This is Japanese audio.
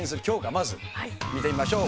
まず見てみましょう。